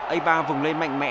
a ba vùng lên mạnh mẽ